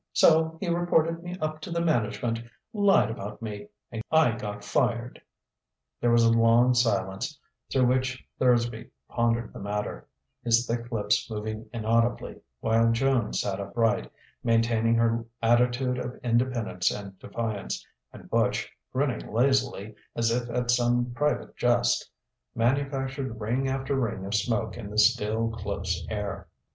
So he reported me up to the management lied about me and I got fired." There was a long silence, through which Thursby pondered the matter, his thick lips moving inaudibly, while Joan sat upright, maintaining her attitude of independence and defiance, and Butch, grinning lazily, as if at some private jest, manufactured ring after ring of smoke in the still, close air.